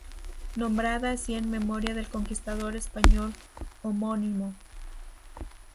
Nombrada así en memoria del conquistador español homónimo.